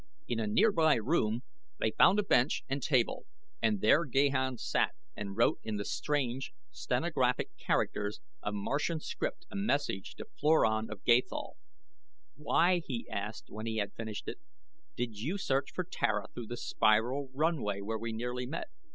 In a nearby room they found a bench and table and there Gahan sat and wrote in the strange, stenographic characters of Martian script a message to Floran of Gathol. "Why," he asked, when he had finished it, "did you search for Tara through the spiral runway where we nearly met?"